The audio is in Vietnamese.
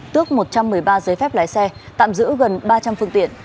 tước một trăm một mươi ba giấy phép lái xe tạm giữ gần ba trăm linh phương tiện